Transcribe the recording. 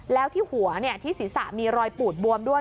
แล้วที่หัวที่ศีรษะมีรอยปูดบวมด้วย